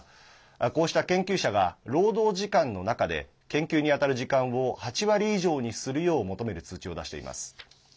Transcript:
こうした研究者が労働時間の中で研究に当たる時間を８割以上にするよう求める通知を出しています。